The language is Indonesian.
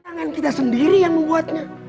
tangan kita sendiri yang membuatnya